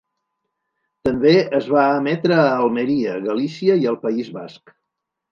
També es va emetre a Almeria, Galícia i al País Basc.